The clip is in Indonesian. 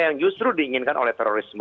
yang justru diinginkan oleh terorisme